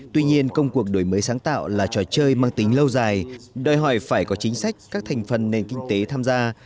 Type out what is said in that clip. tuy nhiên công cuộc đổi mới sáng tạo là trò chơi mang tính lâu dài đòi hỏi phải có chính sách các thành phần nền kinh tế tham gia